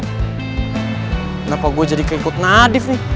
kenapa gue jadi keikut nadif nih